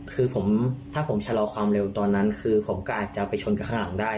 คือผมถ้าผมชะลอความเร็วตอนนั้นคือผมก็อาจจะไปชนกับข้างหลังได้